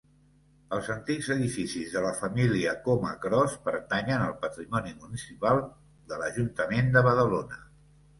Els antics edificis de la família Coma-Cros pertanyen al patrimoni municipal de l'Ajuntament de Badalona.